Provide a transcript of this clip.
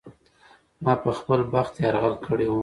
ما په خپل بخت یرغل کړی و.